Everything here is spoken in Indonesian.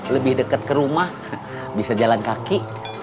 lebih dekat ke rumah bisa jalan kaki